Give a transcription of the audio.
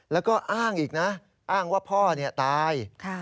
แล้วก็อ้างอีกนะอ้างว่าพ่อตาย